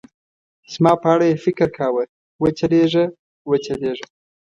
زما په اړه یې فکر کاوه، و چلېږه، و چلېږه.